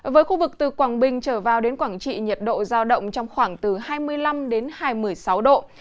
với khu vực từ quảng bình trở vào đến quảng trị nhiệt độ giao động trong khoảng từ hai mươi năm đến hai mươi sáu độ